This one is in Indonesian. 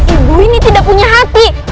ibu ini tidak punya hati